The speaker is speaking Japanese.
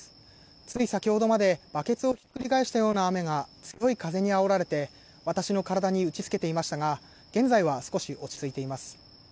つい先ほどまでバケツをひっくり返したような雨が強い風にあおられて私の体に打ちつけていましたが現在は少し落ち着いています。